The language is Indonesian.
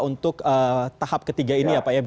untuk tahap ketiga ini ya pak ya